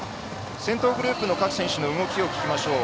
先頭のグループの各選手の動きを見てみましょう。